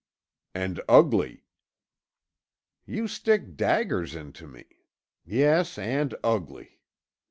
"And ugly." "You stick daggers into me. Yes and ugly.